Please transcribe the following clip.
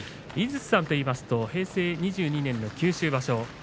井筒さんといいますと平成２２年の九州場所